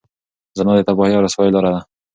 زنا د تباهۍ او رسوایۍ لاره ده.